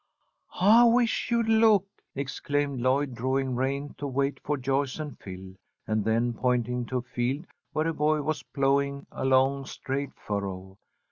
"I wish you'd look!" exclaimed Lloyd, drawing rein to wait for Joyce and Phil, and then pointing to a field where a boy was ploughing a long, straight furrow.